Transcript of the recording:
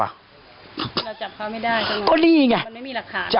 เราจับเขาไม่ได้มันไม่มีหลักฐาน